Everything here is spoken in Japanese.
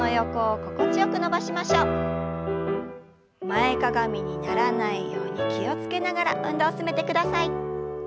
前かがみにならないように気を付けながら運動を進めてください。